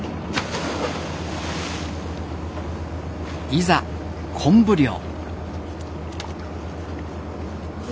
いざ昆布漁。